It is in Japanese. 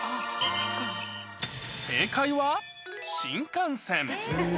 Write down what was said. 正解は、新幹線。